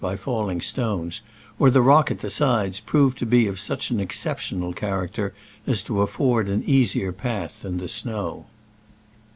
93 falling stones, or the rock at the sides proved to be of such an exceptional character as to afford an easier path than the snow.